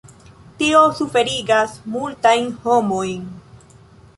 Tio suferigas multajn homojn.